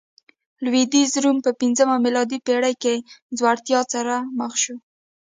لوېدیځ روم په پنځمه میلادي پېړۍ کې ځوړتیا سره مخ شو